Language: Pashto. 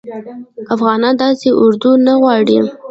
افغانان داسي اردوه نه غواړي